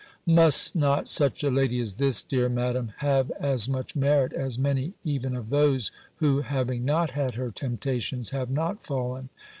Must not such a lady as this, dear Madam, have as much merit as many even of those, who, having not had her temptations, have not fallen?